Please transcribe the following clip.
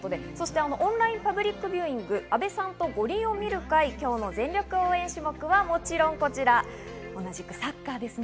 オンラインパブリックビューイング、阿部さんと五輪を見る会、今日の全力応援種目はもちろんこちら、サッカーです。